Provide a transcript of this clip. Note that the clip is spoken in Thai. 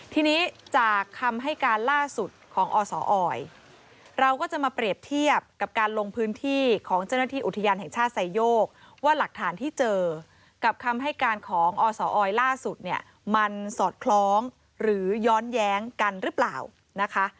ทีนี้จากคำให้การล่าสุดของอศออยเราก็จะมาเปรียบเทียบกับการลงพื้นที่ของเจ้าหน้าที่อุทยานแห่งชาติไซโยกว่าหลักฐานที่เจอกับคำให้การของอศออยล่าสุดเนี่ยมันสอดคล้องหรือย้อนแย้งกันหรือเปล่านะคะ